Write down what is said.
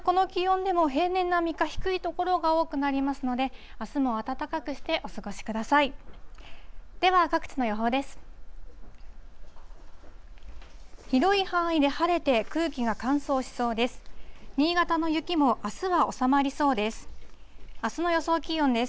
では、各地の予報です。